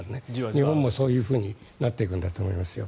日本もそういうふうになっていくんだと思いますよ。